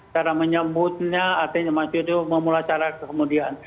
cara menyebutnya artinya masih itu memulai secara kemudian